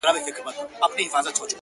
پښتنو واورئ! ډوبېږي بېړۍ ورو ورو،